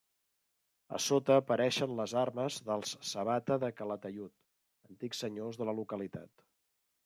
A sota apareixen les armes dels Sabata de Calataiud, antics senyors de la localitat.